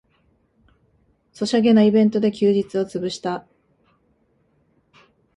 ソシャゲのイベントで休日をつぶした